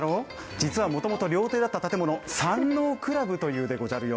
実はもともと料亭だった建物、山王くらぶという建物でごじゃるよ。